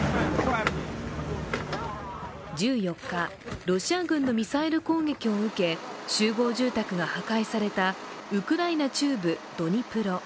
１４日、ロシア軍のミサイル攻撃を受け集合住宅が破壊されたウクライナ中部ドニプロ。